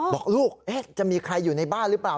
บอกลูกจะมีใครอยู่ในบ้านหรือเปล่า